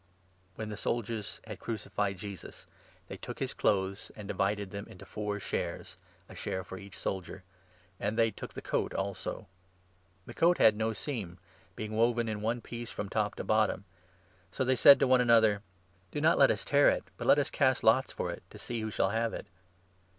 When the soldiers had crucified Jesus, they took his clothes 23 and divided them into four shares — a share for each soldier — and they took the coat also. The coat had no seam, being woven in one piece from top to bottom. So they said to one 24 another :" Do not let us tear it, but let us cast lots for it, to see who shall have it.